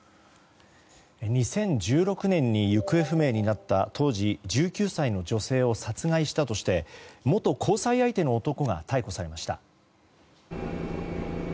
２０１６年に行方不明になった当時１９歳の女性を殺害したとして元交際相手の男が逮捕されました。